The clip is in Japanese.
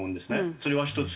それが１つ。